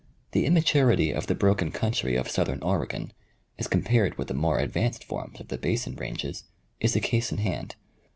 The immaturity of the broken country of southern Oregon, as compared with the more advanced forms of the Basin ranges, is a case in hand.